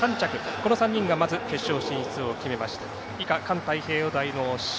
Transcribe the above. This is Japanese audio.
この３人がまず決勝進出を決めました。